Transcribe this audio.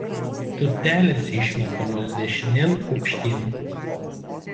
Tūtelės išmetamos dešinėn aukštyn.